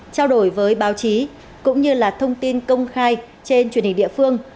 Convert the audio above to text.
trao đổi với báo chí cũng như là thông tin công khai trên truyền hình địa phương